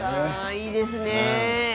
いいですね。